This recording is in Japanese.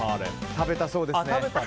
食べたそうです。